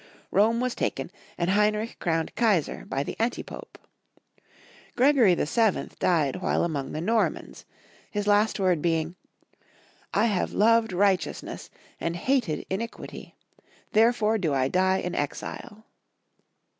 Rome was taken, and Heinrich crowned Kaisar by the Antipope. Gregory VII. died wliile among the Normans, his last word being, " I have loved righteousness, and hated iniqmty ; therefore do I die in exile."